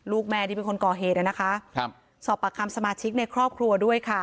ลูกแม่ที่เป็นคนก่อเหตุนะคะครับสอบปากคำสมาชิกในครอบครัวด้วยค่ะ